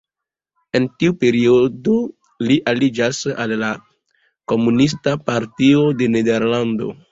En tiu periodo li aliĝis al la Komunista Partio de Nederlando.